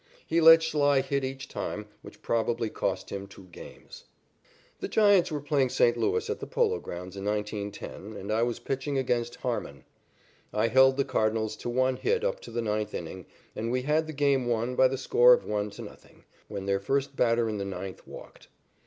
He let Schlei hit each time, which probably cost him two games. The Giants were playing St. Louis at the Polo Grounds in 1910, and I was pitching against Harmon. I held the Cardinals to one hit up to the ninth inning, and we had the game won by the score of 1 to 0, when their first batter in the ninth walked.